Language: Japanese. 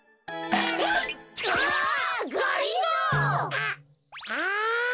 あっあ。